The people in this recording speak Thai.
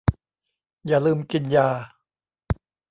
อย่าลืมกินยา